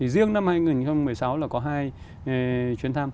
riêng năm hai nghìn một mươi sáu là có hai chuyến thăm